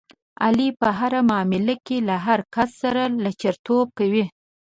علي په هره معامله کې له هر کس سره لچرتوب کوي.